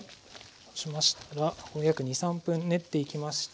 そうしましたらもう約２３分練っていきまして。